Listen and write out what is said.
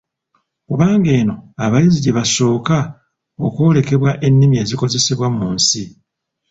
Kubanga eno abayizi gye basooka okwolekebwa ennimi ezikozesebwa mu nsi.